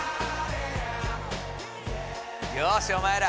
よしお前ら！